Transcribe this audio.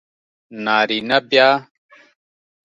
نارینه بیا